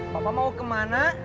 papa mau kemana